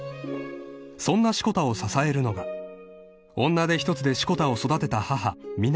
［そんな志子田を支えるのが女手一つで志子田を育てた母南］